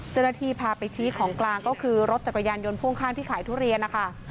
เจ้าหน้าที่พาไปชี้ของกลางก็คือรถจักรยานยนต์พ่วงข้างที่ขายทุเรียนนะคะ